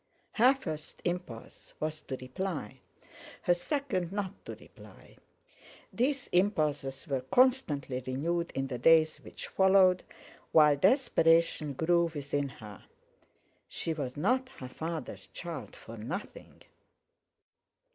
Her first impulse was to reply—her second, not to reply. These impulses were constantly renewed in the days which followed, while desperation grew within her. She was not her father's child for nothing.